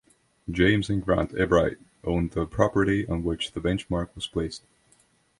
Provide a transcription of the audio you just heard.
James and Grant Ebright owned the property on which the benchmark was placed.